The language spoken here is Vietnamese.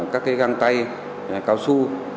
các găng tay cao su